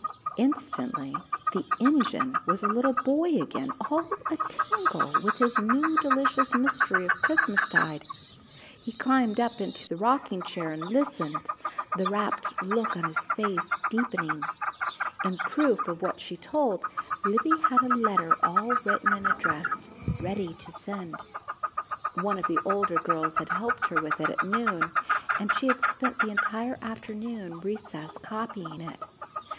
_" Instantly the engine was a little boy again all a tingle with this new delicious mystery of Christmastide. He climbed up into the rocking chair and listened, the rapt look on his face deepening. In proof of what she told, Libby had a letter all written and addressed, ready to send. One of the older girls had helped her with it at noon, and she had spent the entire afternoon recess copying it.